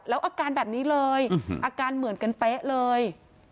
แล้วอาการแบบนี้เลยอาการเหมือนกันเป๊ะเลย